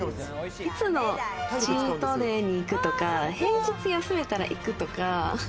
いつのチートデイに行くとか、平日に休めたら行くとか。